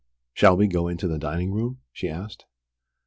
"Shall we go into the dining room?" she asked.